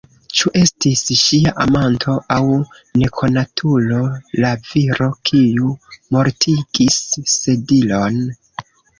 Ĉu estis ŝia amanto aŭ nekonatulo la viro, kiu mortigis Sedilon?